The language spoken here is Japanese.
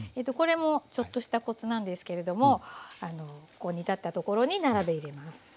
これもちょっとしたコツなんですけれども煮立ったところに並べ入れます。